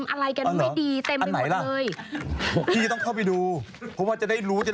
อะไรกันไม่ดีเต็มไปหมดเลยพี่ต้องเข้าไปดูเพราะว่าจะได้รู้จะได้